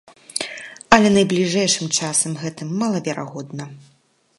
Але найбліжэйшым часам гэта малаверагодна.